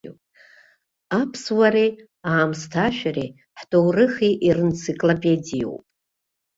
Аԥсуареи, аамысҭашәареи, ҳҭоурыхи иринциклопедиоуп.